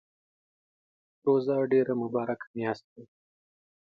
روژه ډیره مبارکه میاشت ده